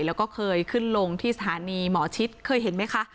แล้วก็เคยขึ้นลงที่สถานีหมอชิดเคยเห็นไหมคะ